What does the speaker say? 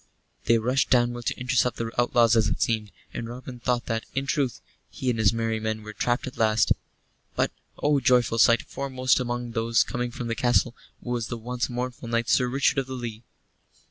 They rushed downward to intercept the outlaws as it seemed, and Robin thought that, in truth, he and his merry men were trapped at last. But oh, joyful sight! foremost among those coming from the castle was the once mournful knight Sir Richard of the Lee.